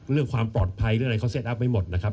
เรื่องความปลอดภัยเรื่องอะไรเขาเซ็ตอัพไว้หมดนะครับ